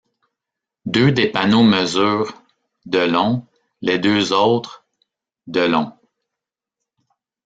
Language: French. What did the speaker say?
Deux des panneaux mesurent de long, les deux autres de long.